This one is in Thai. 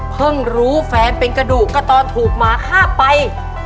เพิ่งรู้แฟนเป็นกระดูกก็ตอนถูกมาข้าไป